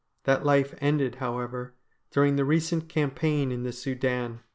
That life ended, however, during the recent cam paign in the Soudan.